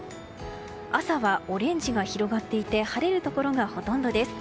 朝はオレンジが広がっていて晴れるところがほとんどです。